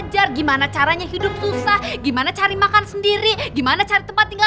sampai jumpa di video selanjutnya